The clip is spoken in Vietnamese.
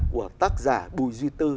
của tác giả bùi duy tư